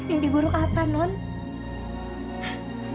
ini buruk apa nont